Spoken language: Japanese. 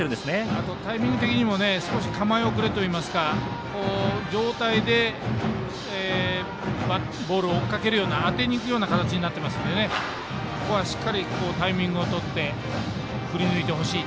あとタイミング的にも構え遅れといいますか、上体でボールを追いかけるような当てにいくような形になっていますのでしっかりタイミングをとって振り抜いてほしい。